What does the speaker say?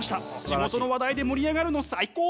地元の話題で盛り上がるの最高！